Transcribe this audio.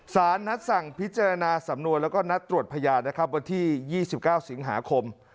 สารนัดสั่งพิจารณาสำนวนแล้วก็นัดตรวจพยานนะครับวันที่๒๙สิงหาคม